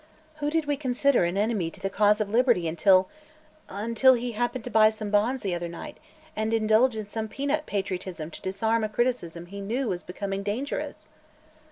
Who did we consider an enemy to the cause of liberty until until he happened to buy some bonds the other night and indulge in some peanut patriotism to disarm a criticism he knew was becoming dangerous?"